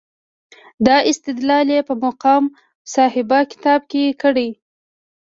دا استدلال یې په مقام صحابه کتاب کې کړی.